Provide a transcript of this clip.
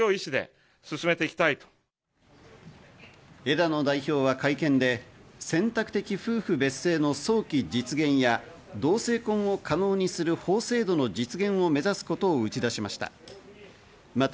枝野代表は会見で選択的夫婦別姓の早期実現や同性婚を可能にする法制度の実現を目指すことを打ち出しました。